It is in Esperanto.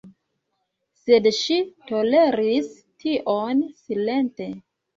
Sed ŝi toleris tion silente.